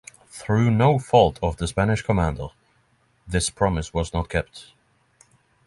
Through no fault of the Spanish commander, this promise was not kept.